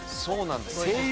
そうなんですね。